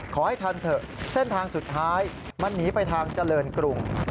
ขอให้ทันเถอะเส้นทางสุดท้ายมันหนีไปทางเจริญกรุง